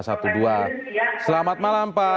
selamat malam pak selamat malam pak